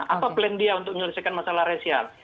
apa plan dia untuk menyelesaikan masalah rasial